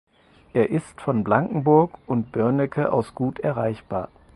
Er ist von Blankenburg und Börnecke aus gut erreichbar.